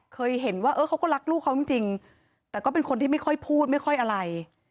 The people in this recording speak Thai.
เคยเห็นว่าเออเขาก็รักลูกเขาจริงแต่ก็เป็นคนที่ไม่ค่อยพูดไม่ค่อยอะไร